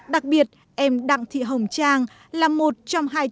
đặc biệt em đặng thị hồng trang là một trong hai trường